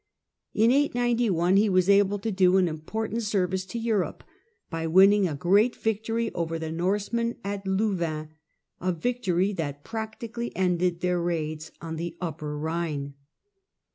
In 891 he was able to do an important service to Europe by winning a great victory over the Norsemen at Louvain — a victory that practically ended their raids on the Upper Ehine.